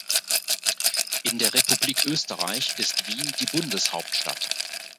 In der Republik Österreich ist Wien die Bundeshauptstadt.